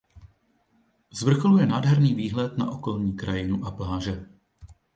Z vrcholu je nádherný výhled na okolní krajinu a pláže.